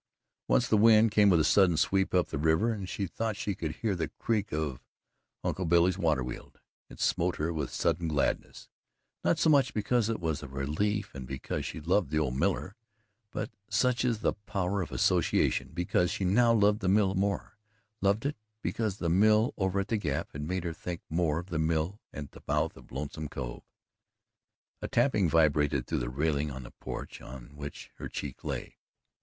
Once the wind came with a sudden sweep up the river and she thought she could hear the creak of Uncle Billy's water wheel. It smote her with sudden gladness, not so much because it was a relief and because she loved the old miller, but such is the power of association because she now loved the mill more, loved it because the mill over in the Gap had made her think more of the mill at the mouth of Lonesome Cove. A tapping vibrated through the railing of the porch on which her cheek lay.